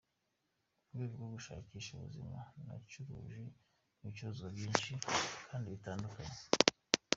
Mu rwego rwo gushakisha ubuzima, nacuruje ibicuruzwa byinshi kandi bitandukanye.